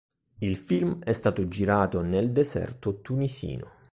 Il film è stato girato nel deserto tunisino.